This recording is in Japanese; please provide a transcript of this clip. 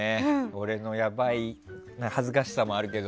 俺のやばい恥ずかしさもあるけど。